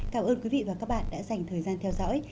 cảm ơn quý vị và các bạn đã dành thời gian theo dõi